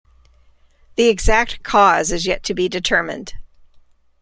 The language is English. The exact cause is yet to be determined.